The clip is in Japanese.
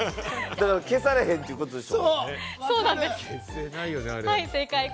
消されへんってことでしょ？